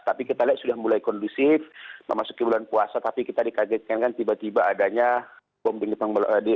tapi kita lihat sudah mulai kondusif memasuki bulan puasa tapi kita dikagetkan kan tiba tiba adanya bombing jepang